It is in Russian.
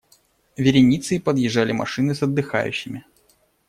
Вереницей подъезжали машины с отдыхающими.